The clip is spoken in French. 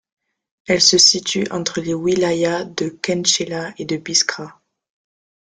Elle se situe entre les wilayas de Khenchela et de Biskra.